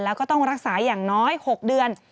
แล้วก็ต้องรักษาอย่างน้อย๖เดือน